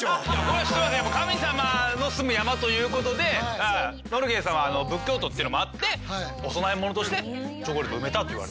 神様のすむ山ということでノルゲイさんは仏教徒っていうのもあってお供え物としてチョコレート埋めたっていわれてるんですね。